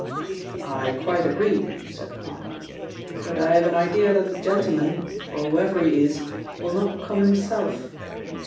"I quite agree," said Parr, "but I have an idea that the gentleman, or whoever he is, will not come himself.